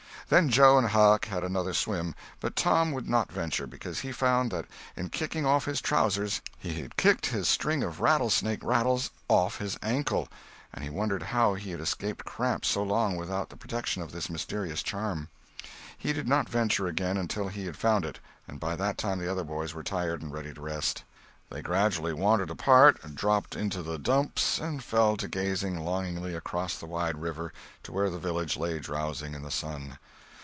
Then Joe and Huck had another swim, but Tom would not venture, because he found that in kicking off his trousers he had kicked his string of rattlesnake rattles off his ankle, and he wondered how he had escaped cramp so long without the protection of this mysterious charm. He did not venture again until he had found it, and by that time the other boys were tired and ready to rest. They gradually wandered apart, dropped into the "dumps," and fell to gazing longingly across the wide river to where the village lay drowsing in the sun.